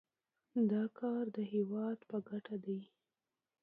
دا کار د هیواد په ګټه دی.